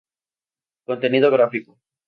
Contenido Gráfico.